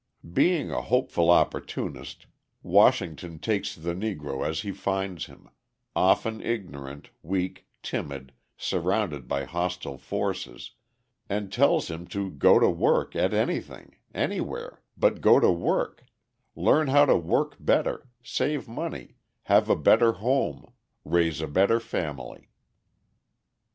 Being a hopeful opportunist Washington takes the Negro as he finds him, often ignorant, weak, timid, surrounded by hostile forces, and tells him to go to work at anything, anywhere, but go to work, learn how to work better, save money, have a better home, raise a better family.